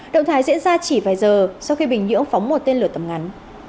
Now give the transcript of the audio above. động thái diễn ra chỉ vài giờ sau khi bình nhưỡng phóng một tên lửa tầm ngắn